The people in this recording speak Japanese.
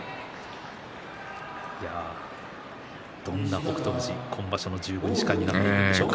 どんな北勝富士、今場所の１５日間になるでしょうか。